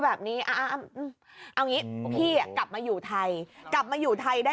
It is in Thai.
๒ใบนี้แหละน้องเอ้ย